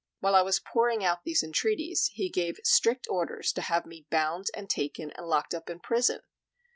While I was pouring out these entreaties, he gave strict orders to have me bound and taken and locked up in prison.